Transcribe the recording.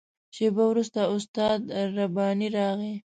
شېبه وروسته استاد رباني راغی.